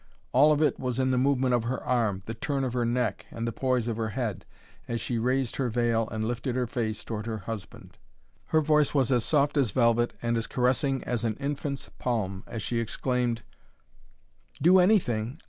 All of it was in the movement of her arm, the turn of her neck, and the poise of her head as she raised her veil and lifted her face toward her husband. Her voice was as soft as velvet and as caressing as an infant's palm as she exclaimed: "Do anything?